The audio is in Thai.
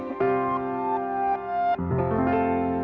สวัสดีค่ะ